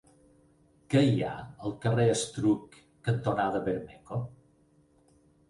Què hi ha al carrer Estruc cantonada Bermejo?